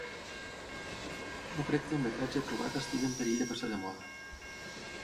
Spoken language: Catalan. No crec que el metratge trobat estigui en perill de passar de moda.